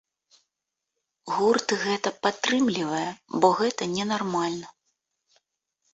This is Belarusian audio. Гурт гэта падтрымлівае, бо гэта ненармальна.